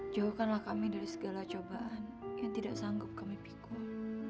jauhkanlah kami dari segala cobaan yang tidak sanggup kami pikul